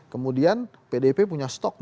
kemudian pdip punya stok